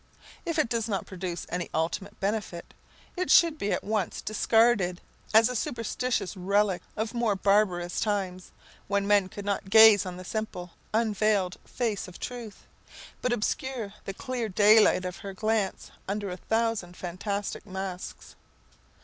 If it does not produce any ultimate benefit, it should be at once discarded as a superstitious relic of more barbarous times, when men could not gaze on the simple, unveiled face of truth, but obscured the clear daylight of her glance under a thousand fantastic masks.